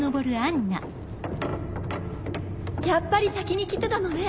やっぱり先に来てたのね